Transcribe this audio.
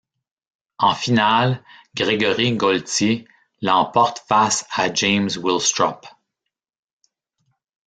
En finale, Grégory Gaultier l'emporte face à James Willstrop.